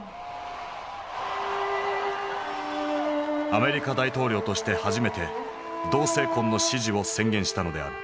アメリカ大統領として初めて同性婚の支持を宣言したのである。